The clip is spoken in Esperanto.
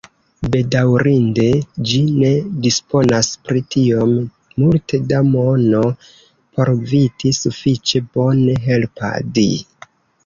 Bedaŭrinde, ĝi ne disponas pri tiom multe da mono por povi sufiĉe bone helpadi.